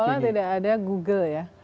seolah tidak ada google ya